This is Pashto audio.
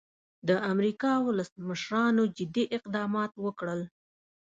د امریکا ولسمشرانو جدي اقدامات وکړل.